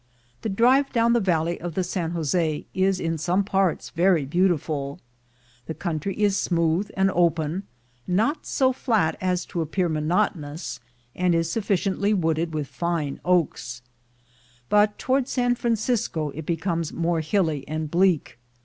The drive down the valley of the San Jose is in some parts very beautiful. The country is smooth and open — not so flat as to appear monot onous — and is sufficiently wooded with fine oaks; but towards San Francisco it becomes more hilly and bleak.